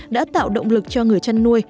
đã tạo động lực cho người chăn nuôi